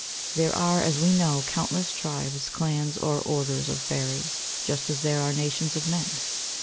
There are, as we know, countless tribes, clans, or orders of fairies, just as there are nations of men.